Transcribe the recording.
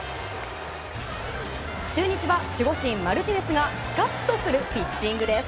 中日は守護神、マルティネスがスカッとするピッチングです。